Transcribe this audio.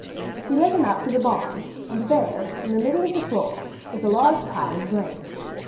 He led him out to the barn, and there in the middle of the floor was a large pile of grain.